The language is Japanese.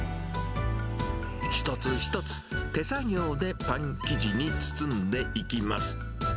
一つ一つ手作業でパン生地に包んでいきます。